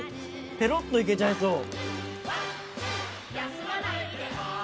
ぺろっといけちゃいそう。